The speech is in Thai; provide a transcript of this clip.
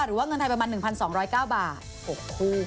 หรือว่าเงินไทยประมาณ๑๒๐๙บาท๖คู่